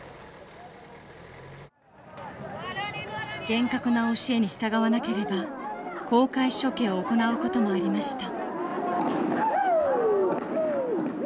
厳格な教えに従わなければ公開処刑を行うこともありました。